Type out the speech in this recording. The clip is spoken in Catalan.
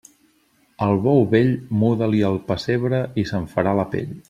Al bou vell, muda-li el pessebre i se'n farà la pell.